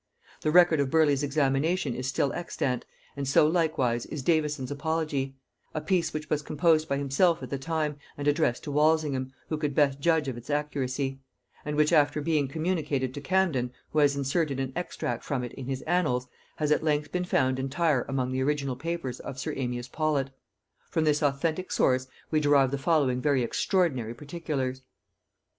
The record of Burleigh's examination is still extant, and so likewise is Davison's apology; a piece which was composed by himself at the time and addressed to Walsingham, who could best judge of its accuracy; and which after being communicated to Camden, who has inserted an extract from it in his Annals, has at length been found entire among the original papers of sir Amias Paulet. From this authentic source we derive the following very extraordinary particulars.